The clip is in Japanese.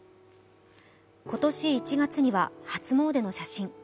今年１月には初詣の写真。